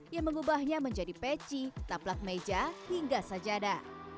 yang mengubahnya menjadi peci taplak meja hingga sajada